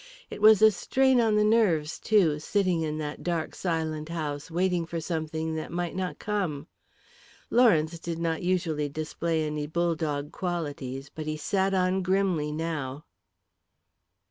It was a strain on the nerves, too, sitting in that dark silent house waiting for something that might not come. Lawrence did not usually display any bulldog qualities, but he sat on grimly now.